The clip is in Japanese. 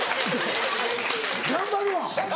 頑張るわ！